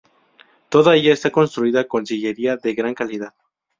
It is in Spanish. Toda ella está construida con sillería de gran calidad.